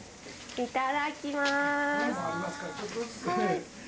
いただきます。